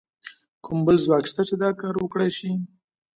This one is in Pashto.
کوم بل ځواک شته چې دا کار وکړای شي؟